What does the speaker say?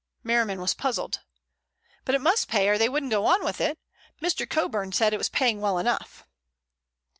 Merriman was puzzled. "But it must pay or they wouldn't go on with it. Mr. Coburn said it was paying well enough."